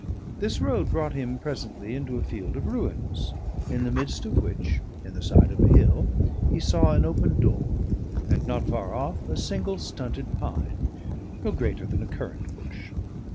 This road brought him presently into a field of ruins, in the midst of which, in the side of a hill, he saw an open door, and, not far off, a single stunted pine no greater than a currant bush.